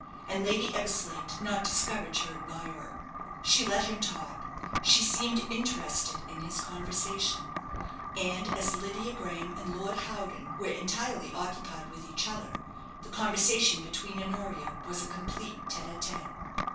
And Lady Eversleigh did not discourage her admirer; she let him talk; she seemed interested in his conversation; and as Lydia Graham and Lord Howden were entirely occupied with each other, the conversation between Honoria was a complete tête à tête.